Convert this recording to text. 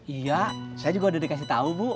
iya saya juga udah dikasih tahu bu